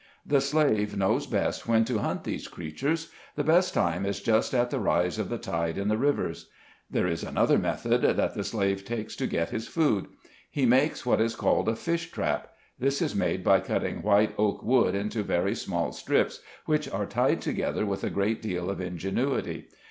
The slave knows best when to hunt these creatures. The best time is just at the rise of the tide in the rivers. There is another method that the slave takes to get his food. He makes what is called a fish trap. This is made by cutting white oak wood into very small strips, which are tied together with a great deal of ingenuity.